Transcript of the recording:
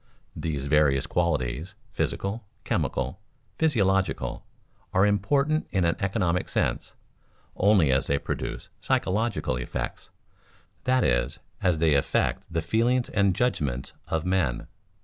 _ These various qualities, physical, chemical, physiological, are important in an economic sense only as they produce psychological effects, that is, as they affect the feelings and judgments of men.